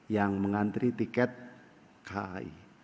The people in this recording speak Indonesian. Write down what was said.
yang mengantri tiket kai